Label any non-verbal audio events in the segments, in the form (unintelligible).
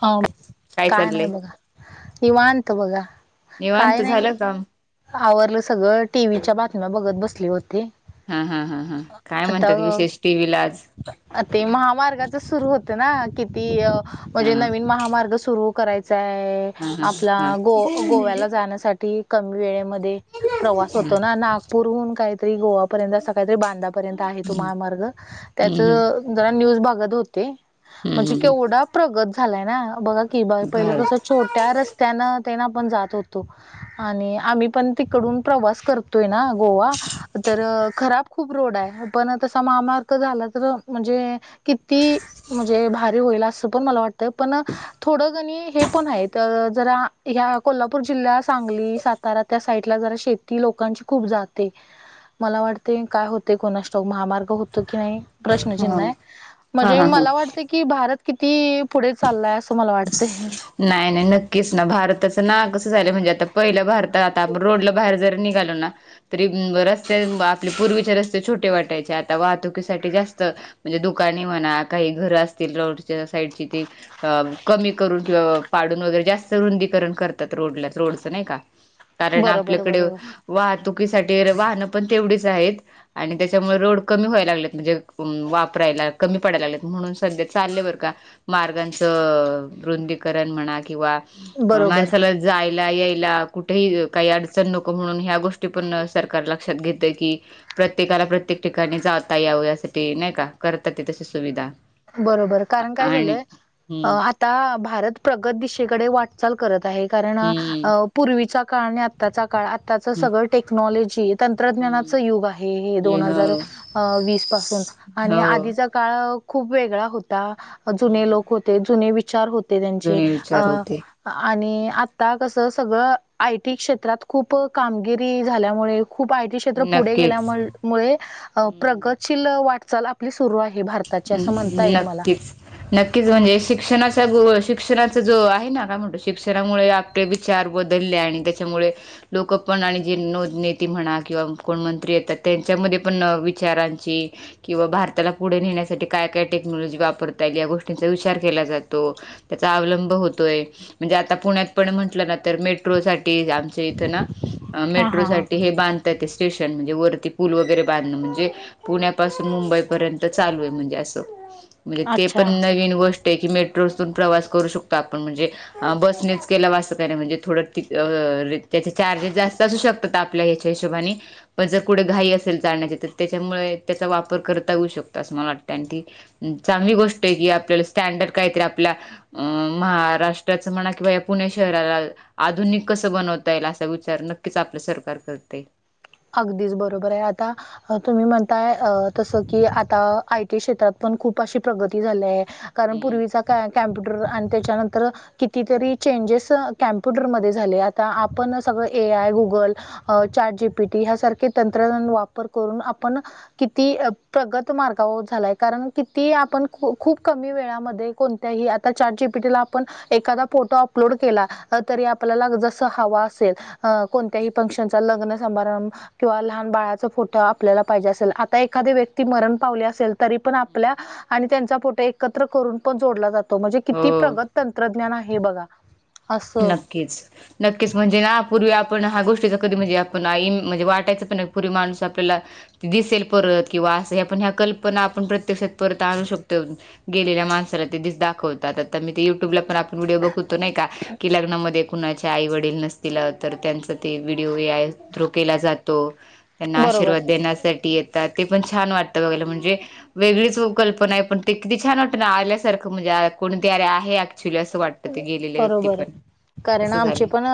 हं, काय नाही बघा. निवांत बघा, काय निवांत नाही. झालं काम आवरलं सगळं. टीव्हीच्या बातम्या, बघत बसले होते. हा.. हा.. हा.. हा काय म्हणतात आता विशेष? टी. व्ही. ला आज. ते, महामार्गाचं सुरु होत ना? किती, म्हणजे हा नवीन महामार्ग सुरू करायचाय.. हा आपला, हा गो-गोव्याला जाण्यासाठी कमी वेळेमध्ये, प्रवास हा होतो ना. नागपूरहून, काहीतरी गोवा पण असं काही तरी, बांधा पर्यंत आहे तो हम्म महामार्ग. हम्म हम्म त्याचं, जरा न्यूज बघत होते. हम्म म्हणजे हम्म हम्म केवढा प्रगत झालायं ना! बघा की, बा पहिलं कसं भारत छोट त्या रस्त्यान तेन आपण जात होतो. आणि आम्ही पण तिकडून प्रवास करतोय नां गोवा तर खरा- खूप रोड आहे हा. पण तसा महामार्ग झाला तर, म्हणजे किती म्हणजे भारी होईल, असं पण मला वाटतंय. पण थोडं कणी, हे पण आहेत जरा ह्या कोल्हापूर जिल्हा सांगली, सातारा त्या साईडला जरा शेती लोकांची खूप जाते. मला वाटतंय, काय होतंय कोणास ठाऊक? महामार्ग होतो की नाही? हा प्रश्नचिन्ह आहे. हा म्हणजे हा हा मला वाटतंय की, भारत किती? पुढे चाललाय? असं मला वाटतंय. नाही-नाही, नक्कीच ना. भारताचं नाव कसं झालं म्हणजे आता पहिला भारत आता, आपण रोडला बाहेर जरी निघालो ना तरी बरेचसे, आपले पूर्वीचे रस्ते छोटे वाटायचे. आता वाहतुकीसाठी जास्त म्हणजे ‌दुकानें म्हणा, काही घरं असतील रोडच्या साईडची ती अ.. कमी करून किंवा पाडून, वगैरे जास्त रुंदीकरण करतात. रोडलाच, रोडचं नाही का? कारण बरोबर आपल्याकडे, बरोबर वाहतुकीसाठी वाहनं पण तेवढीच आहेत. आणि त्याच्यामुळे, रोड कमी व्हाय लागलेत म्हणजे अं.. वापरायला कमी पडायं लागलेत म्हणून सध्या चाललंय बरं का. मार्गांचं, रुंदीकरण म्हणा किंवा बरोबर माणसाला जायला-यायला, कुठेही काही अडचण नको म्हणून ह्या गोष्टी पणं सरकार लक्षात घेतंय की प्रत्येकाला, प्रत्येक ठिकाणी जाता यावं. यासाठी नाही का, करतात ते तशी सुविधा. बरोबर. कारण काय आणि झालंय, अं.. हम्म आ आता भारत प्रगत दिशेकडे, वाटचाल करत आहे. कारण हम्म अं.. पूर्वीचा काळ आणि आत आताचा काळ, आताचं सगळं टेक्नॉलॉजी हम्म तंत्रज्ञानाचं युग आहे हे, दोन हजार हम्म वीस पासून हो आणि हो आधीचा काळ खूप वेगळा होता. जुने हम्म लोक होते, जुने विचार होत ते, त्यांचे जुने विचार अं.. होते आणि आता कसं, सगळं आयटी क्षेत्रात खूप कामगिरी झाल्यामुळे खूप आय टी क्षेत्र पुढे नक्कीच गेल्यामुळे, हम्म प्रगतशील वाटचाल आपली सुरु आहे. भारताची असं म्हणता ह्ं.. येईल मला. नक्कीच. नक्कीच म्हणजे शिक्षणा त्यामुळं शिक्षणाचा जो आहे ना, काय म्हणतो शिक्षणामुळे आपले विचार बदलले आणि त्याच्यामुळे लोकं पण आणि जे नोद-नेते म्हणा किंवा कोण मंत्री येतात, त्यांच्यामध्ये पण विचारांची किंवा भारताला पुढे न्हेण्यासाठी काय-काय टेक्नॉलॉजी वापरता येईल, या गोष्टींचा विचार केला जातो. त्याचा अवलंब होतोय. म्हणजे आता पुण्यात पण म्हटल ना तर मेट मेट्रो साठी आमच्या इथं ना, अ हा मेट्रो हा साठी हे बांध स्टेशन म्हणजे वरती पूल वगैरे बांधण. म्हणजे पुण्यापासून मुंबई पर्यंत चालू आहेत. म्हणजे अस. म्हणजे ते पण अच्छा नवीन गोष्ट आहे की, मेट्रोतून प्रवास करू शकतो आपण. म्हणजे बसनेच केला वा अस त्याने. म्हणजे थोड अं त्याचे चार्जेस जास्त असू शकतात. आप आपल्या ह्याच्या हिशोबाने पण जर कुठे घाई असेल जाण्याची, तर त्याच्यामुळे त्याचा वापर करता येऊ शकतो. अस मला वाटत. कारण ती चांगली गोष्ट आहे की, आपल्याला स्टँडर्ड काहीतरी आपला अं महाराष्ट्राचं म्हणा. किंवा या पुणे शहराला आधुनिक कसं बनवता येईल. असा विचार नक्कीच आपल सरकार करते. अगदीच बरोबर आहे. आता अ तुम्ही म्हणताय अ तसं की, आता आयटी क्षेत्रात पण खूप अशी प्रगती झाली आहे. कारण हम्म पूर्वीचा क कॅम्प्युटर आणि त्याच्यानंतर कितीतरी चेंजेस कॅम्प्युटरमध्ये झाले. आता आपण सगळ ए आय गुगल अ चाट जीपीटी ह्यासारखे तंत्रज्ञान वापर करून आपण किती प्रगत मार्गावर झालाय. कारण किती आपण खूप कमी वेळा मध्ये कोण त्याही आता चाट जी पी टीला आपण एखादा फोटो अपलोड केला. तरी आपल्याला जसा हवा असेल अ कोणत्याही फंक्शनचा लग्न समारंभ किंवा लहान बाळाचा फोट आपल्याला पाहिजे असेल आत एखादी व्यक्ती मरण पावली असेल. तरी पण आपल्या आणि त्यांचा फोटो एकत्र करून पण जोडला जातो. तो म्हणजे किती हो प्रगत तंत्रज्ञान आहे बघा. असं. नक्कीच नक्कीच म्हणजे ना, पूर्वी आपण हा गोष्टीचा कधी म्हणजे आपण आई म्हणजे वाटायचं पण नाही. पूर्वी माणूस आपल्याला दिसेल परत किंवा अस ह्या पण ह्या कल्पना आपण प्रत्यक्षात परत आणू शकतो. गेलेल्या माणसाला ते दिस दाखवतात. आता मी ते युट्यूबला पण आपण व्हिडिओ बघतो नाही का. की लग्नामध्ये कुणाच्या आई वडील नसतील तर त्यांच तर तो व्हिडिओ ए आय थ्रु केला जातो. त्यांना बरोबर आशीर्वाद देण्यासाठी येत ते पण छान वाटत बघायला. म्हणजे वेगळीच हो कल्पना आहे. पण ते किती छान वाटत ना आल्यासारखं. म्हणजे कोण तरी आहे ऍक्च्युअली अस वाटत. ते गेले व्यक्ती बरोबर पण कारण असं आमचे झालं पण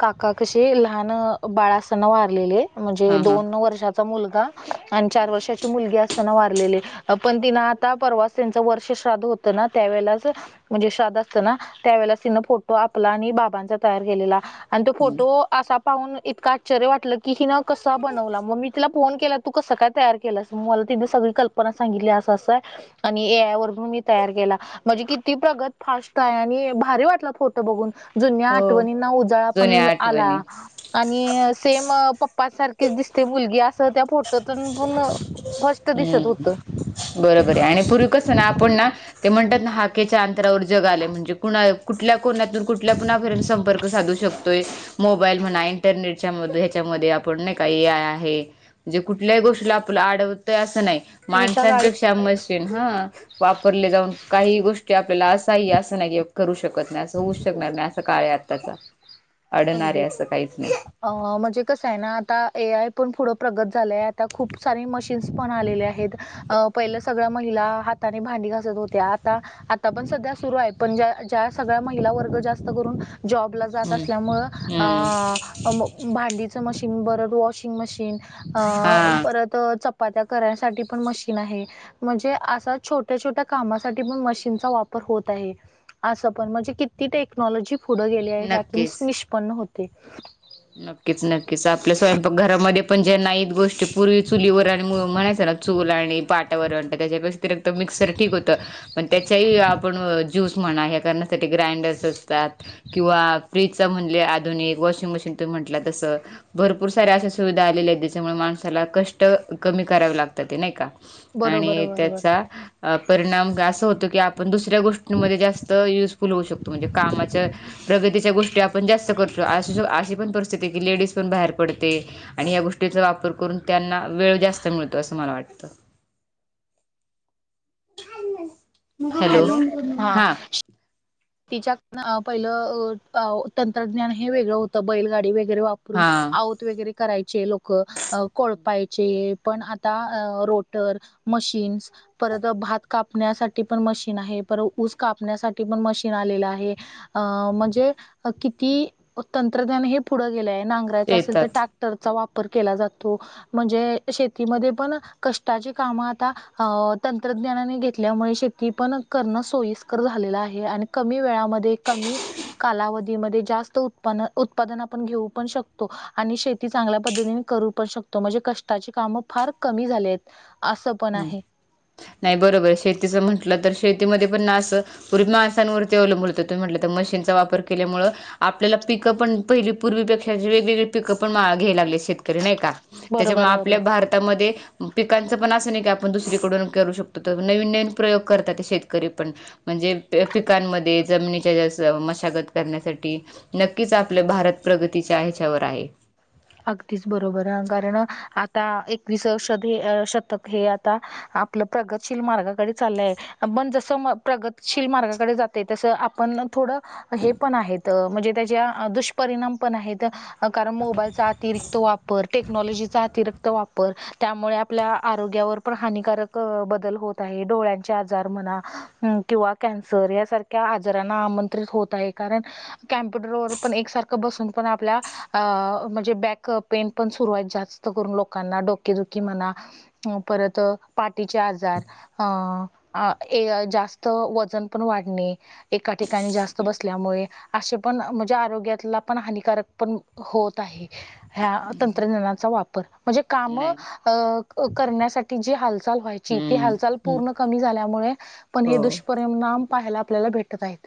काका कसे, लहान बाळ असताना वारलेले. म्हणजे हा हा दोन वर्षाचा मुलगा. आणि चार हम्म वर्षाची मुलगी असताना वारलेले. पण तिन आता परवाच त्यांच वर्ष श्राद्ध होत ना त्यावेळेलाच म्हणजे श्राद्ध असत ना. त्यावेेळेलाच तिनं फोटो आपला आणि बाबांचा तयार केलेला. आणि तो फोटो असा पाहून इतका आश्चर्य वाटल. की हिनं कसा बनवला. मग मी तिला फोन केला तू कसं काय तयार केलंस. मग मला तिने सगळी कल्पना सांगितली असं असं आहे. आणि ए आय वरून मी तयार केला. म्हणजे किती प्रगत फास्ट आणि भारी वाटल फोटो बघून. जुन्या हो आठवणींना उजाळा जुन्या पण आला. आठवणी आणि सेम पप्पा सारखीच दिसते मुलगी. अस त्या फोट फोटोतून पूर्ण स्पष्ट दिसत हम्म होत. बरोबर आहे. आणि पूर्वी कस ना आपण ना ते म्हणतात ना. हाकेच्या अंतरावर जग आलेय. म्हणजे कुणा कुठल्या कोनातून कुठल्या कुणाभर संपर्क साधू शकतो. तो मोबाईल म्हणा. इंटरनेटच्या म ह्याच्यामध्ये आपण नाही का ए आय आहे. म्हणजे कुठल्याही गोष्टीला आपला आडवतोय असं नाही. पूर्वीच्या काळी माणसांपेक्षा म ह वापरले जाऊन काही गोष्टी आपल्याला असाही असं नाही करू शकत नाही अस होऊ शकणार नाही. अस काळ आहे आताचा अडणार अगदी आहे असं काहीच नाही. अ म्हणजे कसं आहे ना. आता ए आय पण पुढं प्रगत झालंय. आता खूप सारे मशीन्स पण आलेले आहेत. अ पहिले सगळ्या महिला हाताने भांडी घासत होत्या. आता आता पण सध्या सुरू आहे. पण्या ज्या ज्या सगळ्या महिला वर्ग जास्त करून जॉबला जात असत हम्म असल्यामुळं हम्म अ म भांडीचं मशीन बरं वॉशिंग मशीन अ हा परत चपात्या करायसाठी पण मशीन आहे. म्हणजे असा छोट्या छोट्या कामासाठी पण मशीनचा वापर होत आहे. असं पण म्हणजे किती टेक्नॉलॉजी पुढं गेली आहे ह्यातून नक्कीच निष्पन्न होते. नक्कीच नक्कीच आपल्या स्वयंपाक घरामध्ये पण जे नाही. गोष्टी पूर्वी चुलीवर आणि म म्हणायचं ना चूल आणि पाटावरवंटा त्याच्यापेक्षा तर मिक्सर ठीक होतं. पण त्याच्याही आपण ज्यूस म्हणा ह्या का ना ग्रायंडर्स असतात किंवा फ्रीज च म्हणले अधुनिक वॉशिंग मशीन - ते म्हटलं तसं भरपूर साऱ्या अशा सुविधा आलेल्या आहेत ज्याच्यामुळे माणसाला कष्ट कमी करावे लागतात ते नाही का बरोबर आणि बरोबर त्याचा परिणाम अस होतो की आपण दुस दुसऱ्या गोष्टीं जास्त युुजफुल हो शकतो म्हणजे कामाच्या प्रगती च्या गोष्टी म्हणजे जास्त पण जास्त करतो अशी अशी पण परिस्थिती की लेडीज पण बाहेर पडते आणि या गोष्टींचा वापर करून त्यांना वेळ जास्त मिळतो असं मला वाटतं हॅलो हा हां तिच्या तन अ अ व पहिलं तंत्रज्ञान हे वेगळं होतं बैलगाडी वैगरे वापर हां (unintelligible) त वगैरे करायचे लोक कोळपायचे पण आता रोटर मशीन्स परत भात कापण्यासाठी पण मशीन आहे पर ऊस कापण्यासाठी पण मशीन आलेल आहे म्हणजे किती तंत्रज्ञान हे पुढं गेलं आहे नांगरायच असेल तर शेतात ट्रॅक्टरचा वापर केला जातो. म्हणजे शेतीमध्ये पण कष्टाची कामं आता हा तंत्रज्ञानाने घेतल्यामुळे शेती पण करणं सोयीस्कर झालेलं आहे आणि कमी वेळामध्ये कमी कालाव धीमध्ये जास्त उत्पान उत्पादन आपण घेऊ पण शकतो आणि शेती चांगल्या पद्धतीने करू पण शकतो तो म्हणजे कष्टाची कामं फार कमी झाली आहेत असं पण हं. आहे नाही बरोबर शेतीचं म्हटलं तर शेतीमध्ये पण ना असं पूर्वी माणासांवरती अवलंबून होत तुमी म्हटलं तर मशीनचा वापर केल्यामुळ आपल्याला पिकं पण पहिली पूर्वीपेक्षा वेगवेगळी पिकं पण घ्याय लागले शेतकरी नाही का त्याच्यामुळे बरोबर बरोबर आपल्या भारतामध्ये पिकांच - पण असं नाही की आपण दुसरीकडून करू शकतो तर नवीन नवीन प्रयोग करतात ते शेतकरी पण म्हणजे पिकांमध्ये जमनीच्या हे ज्यात मशागत करण्यासाठी नक्कीच आपलं भारत प्रगतीच्या ह्याच्यावर आहे अगदीच बरोबर कारण आता एकवीसषध हे शतक हे आता आपलं प्रगतशील मार्गाकडे चाललं आहे पण जसं प्रगतशील मार्गाकडे जातय तसं आपण थोडं हे पण आहेत म्हणजे त्याच्या दुष्परिणाम पण आहेत कारण मोबाईलचा रिक्त वापर टेक्नॉलॉजीचा अतिरिक्त वापर त्यामुळे आपल्या आरोग्यावर पण हानिकारक बदल होत आहे डोळ्यांचे आजार म्हणा हम किंवा कॅन्सर यासारख्या आजारांना आमंत्रित होत आहे कारण कॅम्प्युटर व पण एकसारखं बसून पण आपल्या आ म्हणजे बॅक क पेन पण सुरु आहेत जास्त करून लोकांना डोकेदुखी म्हणा परत पाटीचे आजार अं ये अ जास्त वजन पण वाढणे एका ठिकाणी जास्त बसल्यामुळे असे पण म्हणजे आरोग्यातला पण हानिकारक पण होत आहे ह्या तंत्रज्ञानाचा वापर म्हणजे काम अ नाही करण्यासाठी जी हालचाल व्हाय यची तो हम्म हालचाल हम्म. पूर्ण कमी झाल्यामुळे पण हे हो दुष्परिणाम पाहायला आपल्याला भेटत आहेत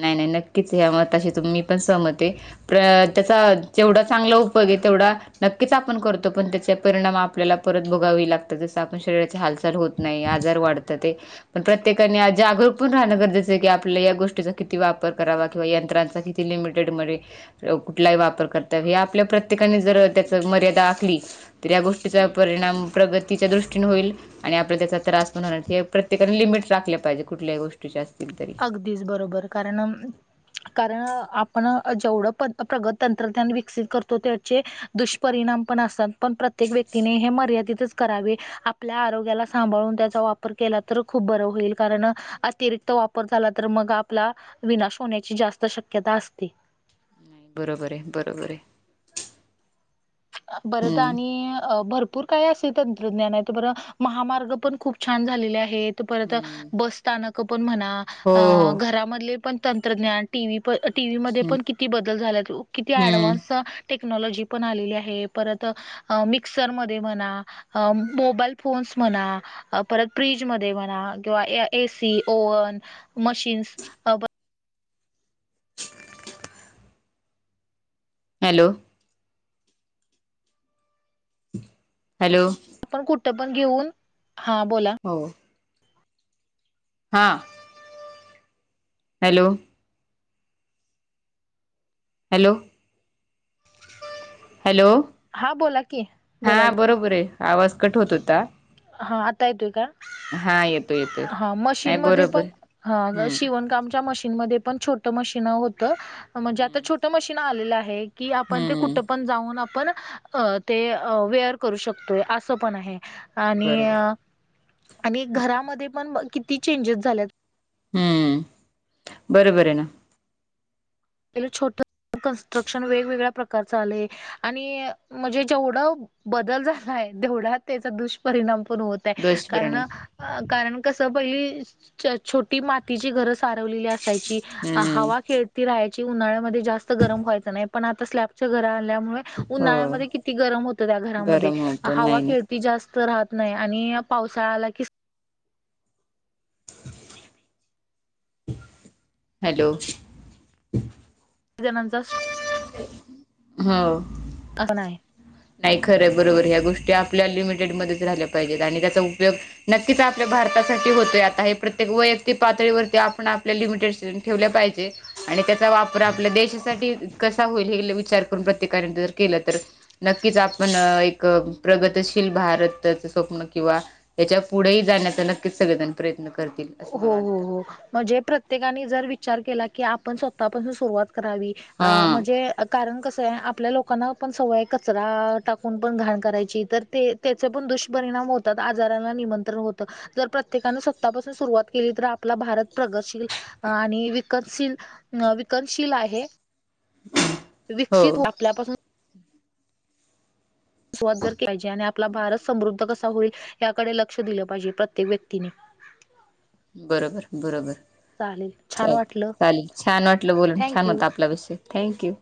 नाही नाही नक्कीच हे मताशी तु मी पण सहमत आहे प्र त्याचा जेवढा चांगला उपेग आहे तेवढा नक्कीच आपण करतो पण त्याचे परिणाम आपल्याला परत भोगावे लागतात जसं आपण शरीराची हालचाल होत नाही आजार वाढत्यातय पण प्रत्येकाने आज जागरूक पण राहणं गरजेचं की आपल या गोष्टीच किती वापर करावा किंवा यंत्रांचा किती लिमिटेडमध्ये कुठलाही वापर करता हे आपल्या प्रत्येकाने जर त्याच मर्यादा आखली तर या गोष्टीचा परिणाम प्रगतीच्या दृष्टीन होईल आणि आपल्याला त्याचा त्रास पण होणार हे प्रत्येकाने लिमिट राखल्या पाहिजे कुठल्याही गोष्टीच्या असतील तरी अगदीच बरोबर कारण कारण आपण जेवढं प्रगत तंत्रज्ञान विकसित करतो त्याचे दुष्परिणाम पण असतात पण प्रत्येक व्यक्तीने हे मर्यादितच करावे आपल्या आरोग्याला सांभाळून त्याचा वापर केला तर खूप बर होईल कारण अतिरिक्त वाप वापर झाला तर मग आपला विनाश होण्याची जास्त शक्यता असते नाही बरोबर आहे बरोबर आहे बरं हम्म आणि भरपूर भरपूर काय असे तंत्रज्ञान आहे तर बरं महामार्ग पण खूप छान झालेले आहेत परत हम्म बसथानक पण हो म्हणा हो घरामधले पण तंत्रज्ञान टी. व्ही प टी. व्हीमध्ये हम्म पण किती बदल झाल्यात किती हम्म ॲडव्हान्स टेक्नॉलॉजी पण आलेली आहे परत मिक्सरमध्ये म्हणा मोबाईल फोन्स म्हणा परत फ्रीजमध्ये म्हणा किंवा AC, oven, machines hello hello आपण कुठं पण घेऊन हा बोला हो हा हॅलो हॅलो हॅलो हा बोला की हा बोला बरोबर आहे आवाज कट होत होता हा आता येतोय का हा येतोय येतोय हा नाही मशीनमध्ये बरोबर पण हा हम्म शिवण कामच्या मशीनमध्ये पण छोट मशीनं होत म्हणजे आता हम्म छोट मशीनं आलेलं आहे कि आपण ते हम्म कुठं पण जाऊन आपण अ ते वेअर करू शकतोय असं पण आहे आणि बरोबर आणि घरामध्ये पण किती चेंजेस झाल्यात हम्म बरोबर आहे ना आपल्याला छोट कन्स्ट्रक्शन वेगवेगळ्या प्रकारचं आलंय आणि म्हणजे जेवढं बदल झालाय तेवढा त्याचा दुष्परिणाम पण होत कारण दुष्परिणाम अ कारण कस पहिली छोटी मातीची घरं सारवलेली असायची हम्म हवा खेळती राहाय ची उन्हाळ्यामध्ये जास्त गरम व्हायच नाही पण आता स्लॅपच घर आल्यामुळे हो उन्हाळ्यामध्ये किती गरम होत त्या घरामध्ये गरम होतं हवा नाही नाही खेळ ती जास्त राहत नाही आणि पावसाळा आला की हॅलो त जणांचा हो आता नाही नाही खरंय बरोबर ह्या गोष्टी आपल्या लिमिटेडमध्येच राहिल्या पाहिजेत आणि त्याचा उपयोग नक्कीच आपल्या भारतासाठी होतोय आता हे प्रत्येक वैयक्तिक पातळीवरती आपण आपल्या लिमिटेड ठेवल्या पाहिजे आणि त्याचा वापर आपल्या देशासाठी कसा होईल हे विचार करून प्रत्येकाने जर केलं तर नक्कीच आपण एक प्रगतशील भारतच स्वप्न किंवा याच्या पुढेही जाण्याचा नक्कीच सगळेजण प्रयत्न करतील. हो असं मला हो वाटतं हो म्हणजे प्रत्येकाने जर विचार केला की आपण स्वतःपासून सुरुवात करावी. अ हा म्हणजे? कारण कसं आहे आपल्या लोकांना पण सवय कचरा टाकून पण घाण करायची तर ते त्याचे पण दुष्परिणाम होतात. आजाराला निमंत्रण होत जर प्रत्येकान स्वतःपासून सुरुवात केली तर, आपला भारत प्रगतशील आणि विकतशील अ विकनशील आहे. हो विकसित आपल्यापसन, सुरवात जर (unintelligible) पाहिजे आणि आपला भारत समृद्ध कसा होईल? याकडे लक्ष दिलं पाहिजे प्रत्येक व्यक्तीने. बरोबर, बरोबर चालेल छान चालतय वाटलं चालेल. छान वाटलं बोलून थँक छान यू होता आपला विषय. थँक्यू